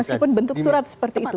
meskipun bentuk surat seperti itu